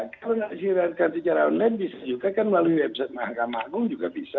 kalau tidak disiratkan secara online bisa juga kan melalui website mahkamah agung juga bisa